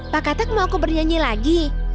pak katak mau aku bernyanyi lagi